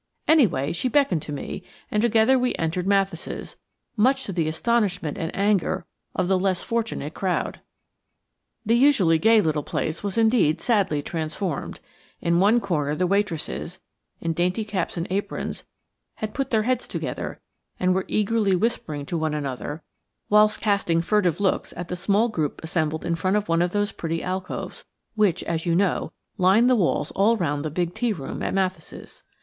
Anyway, she beckoned to me, and together we entered Mathis', much to the astonishment and anger of the less fortunate crowd. The usually gay little place was indeed sadly transformed. In one corner the waitresses, in dainty caps and aprons, had put their heads together, and were eagerly whispering to one another whilst casting furtive looks at the small group assembled in front of one of those pretty alcoves, which, as you know, line the walls all round the big tea room at Mathis'.